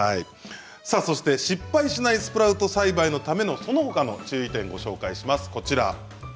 そして失敗しないスプラウト栽培のためのそのほかの注意点をご紹介します。